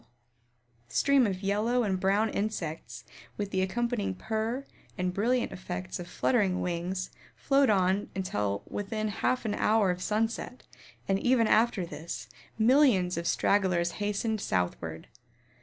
The stream of yellow and brown insects, with the accompanying purr and brilliant effects of fluttering wings flowed on until within a half an hour of sunset, and even after this, millions of stragglers hastened southward.